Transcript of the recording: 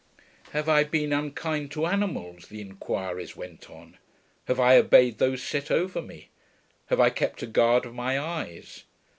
'Have I been unkind to animals?' the inquiries went on. 'Have I obeyed those set over me? Have I kept a guard of my eyes?'